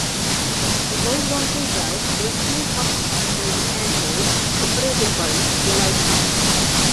The horizontal valve was still tucked under the handhold, operated by the right thumb.